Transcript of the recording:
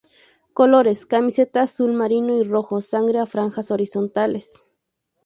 Colores: Camiseta azul marino y rojo sangre a franjas horizontales.